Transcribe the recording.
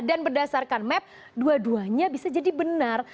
dan berdasarkan map dua duanya bisa jadi benar